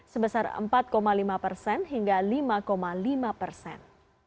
sebesar empat lima persen hingga lima lima persen